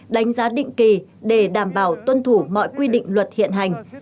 đánh giá định kỳ để đảm bảo tuân thủ mọi quy định luật hiện hành